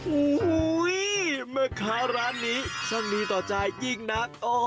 โอ้โหแม่ค้าร้านนี้ช่างดีต่อใจยิ่งนัก